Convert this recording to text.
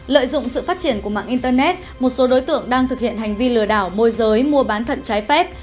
lợi dụng sự phát triển của mạng internet một số đối tượng đang thực hiện hành vi lừa đảo môi giới mua bán thận trái phép